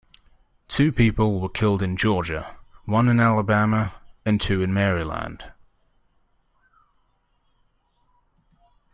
Two people were killed in Georgia, one in Alabama, and two in Maryland.